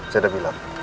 saya udah bilang